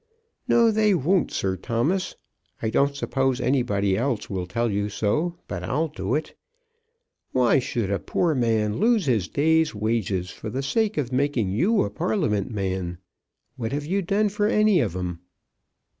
"No, they won't, Sir Thomas. I don't suppose anybody else will tell you so, but I'll do it. Why should, a poor man lose his day's wages for the sake of making you a Parliament man? What have you done for any of 'em?"